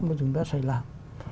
mà chúng ta sẽ làm